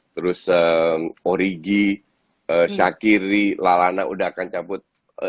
terus origi shakiri lalana udah akan cabut